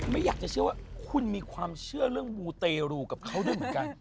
ไม่อยากจะเชื่อว่าคุณมีความเชื่อเรื่องมูเตรูกับเขาด้วยเหมือนกัน